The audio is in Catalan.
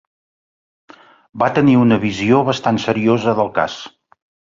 Va tenir una visió bastant seriosa del cas.